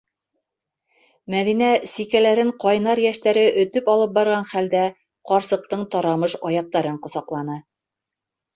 - Мәҙинә, сикәләрен ҡайнар йәштәре өтөп алып барған хәлдә, ҡарсыҡтың тарамыш аяҡтарын ҡосаҡланы.